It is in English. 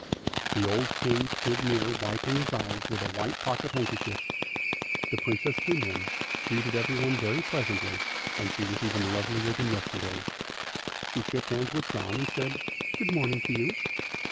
The old King stood near wiping his eyes with a white pocket handkerchief. Then the Princess came in, greeting everyone very pleasantly, and she was even lovelier than yesterday. She shook hands with John and said, " Good morning to you."